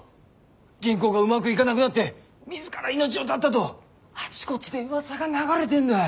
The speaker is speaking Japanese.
銀行がうまくいがなくなって自ら命を絶ったとあちこちでうわさが流れてんだい。